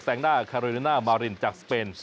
แสงหน้าคาโรินามารินจากสเปน๔๗๘คะแนนครับ